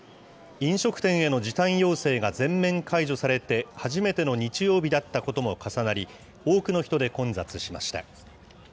飲食店への時短要請が全面解除されて、初めての日曜日だったことも重なり、多くの人で混雑しました。